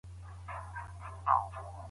ټولنیزې اړیکې په اخلاص وپالوئ.